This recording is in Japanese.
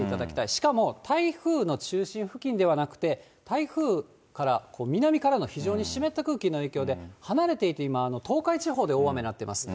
しかも台風の中心付近ではなくて、台風から南からの湿った空気の影響で、離れていても東海地方で大雨になっています。